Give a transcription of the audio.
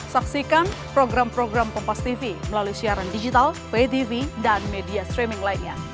saksikan program program kompastv melalui siaran digital vtv dan media streaming lainnya